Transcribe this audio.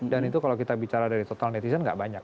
dan itu kalau kita bicara dari total netizen nggak banyak